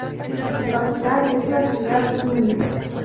Su capital es la ciudad Sumy.